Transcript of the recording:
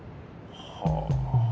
はあ。